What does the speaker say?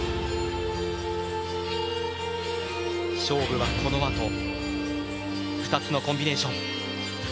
勝負は、このあと２つのコンビネーション。